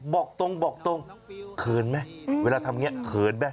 บอกตรงบอกตรงเขินไหมเวลาทำอย่างนี้เขินไหม